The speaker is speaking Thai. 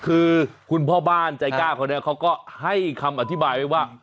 คือคุณพ่อบ้านใจกล้าคนนี้เขาก็ให้คำอธิบายไว้ว่า